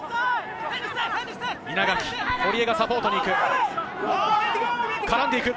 稲垣、堀江がサポートに行く。